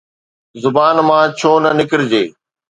زبان مان ڇو نه نڪرجي؟